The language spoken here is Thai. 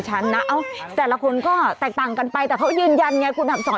อ่ะลองฝืนจับ